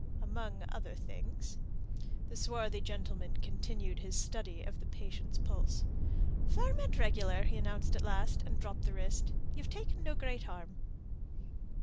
"Among other things." The swarthy gentleman continued his study of the patient's pulse. "Firm and regular," he announced at last, and dropped the wrist. "You've taken no great harm."